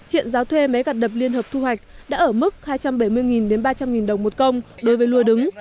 hiện giáo thuê máy gạt đập liên hợp thu hoạch đã ở mức hai trăm bảy mươi ba trăm linh đồng một kg đối với lúa đứng